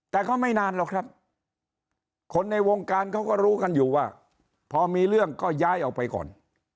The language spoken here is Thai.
แต่ก็ไม่นานหรอกครับคนในวงการเขาก็รู้กันอยู่ว่าพอมีเรื่องก็ย้ายออกไปก่อน